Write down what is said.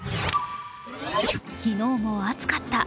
昨日も暑かった。